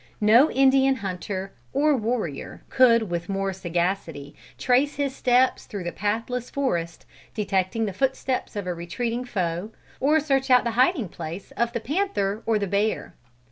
No Indian hunter or warrior could with more sagacity trace his steps through the pathless forest, detect the footsteps of a retreating foe, or search out the hiding place of the panther or the bear.